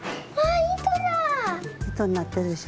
いとになってるでしょ。